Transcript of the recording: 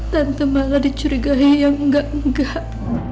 tante malah dicurigai yang enggak enggak